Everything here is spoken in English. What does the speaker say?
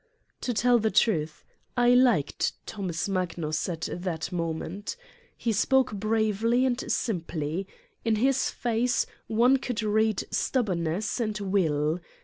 " To tell the truth: I liked "Thomas Magnus " at that moment. He spoke bravely and simply. In his face one could read stubbornness and will.